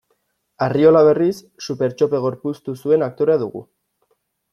Arriola, berriz, Supertxope gorpuztu zuen aktorea dugu.